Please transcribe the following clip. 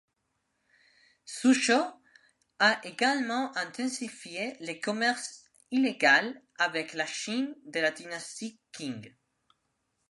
Zusho a également intensifié le commerce illégal avec la Chine de la dynastie Qing.